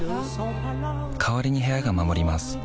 代わりに部屋が守ります